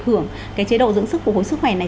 hưởng cái chế độ dưỡng sức phục hồi sức khỏe này